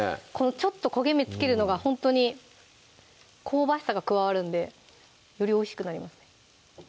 ちょっと焦げ目つけるのがほんとに香ばしさが加わるんでよりおいしくなりますね